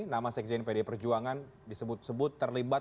nama sekjen pd perjuangan disebut sebut terlibat